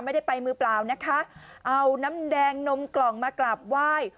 ไม่ได้ไปมือเปล่านะคะเอาน้ำแดงนมกล่องมากราบไหว้